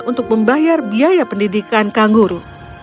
untuk membayar biaya pendidikan kangguru